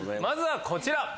まずはこちら。